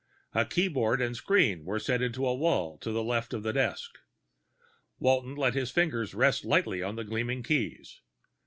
A keyboard and screen were set into the wall to the left of the desk. Walton let his fingers rest lightly on the gleaming keys.